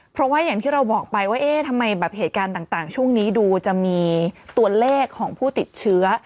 เพราะว่าอย่างที่เราบอกไปว่าเอ๊ะทำไมแบบเหตุการณ์ต่างช่วงนี้ดูจะมีตัวเลขของผู้ติดเชื้อ